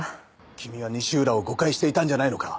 君は西浦を誤解していたんじゃないのか？